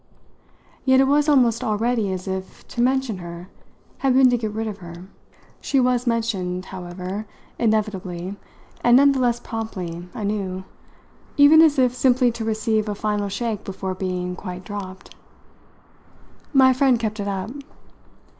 Yet it was almost already as if to mention her had been to get rid of her. She was mentioned, however, inevitably and none the less promptly, anew even as if simply to receive a final shake before being quite dropped. My friend kept it up.